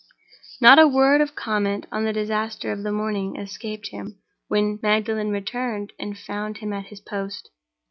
Not a word of comment on the disaster of the morning escaped him when Magdalen returned and found him at his post.